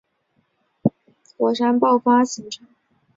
该质量瘤也可能是由热柱或大规模火山爆发形成。